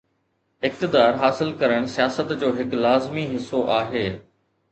اقتدار حاصل ڪرڻ سياست جو هڪ لازمي حصو آهي.